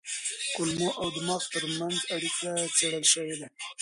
کولمو او دماغ ترمنځ اړیکه څېړل شوې ده.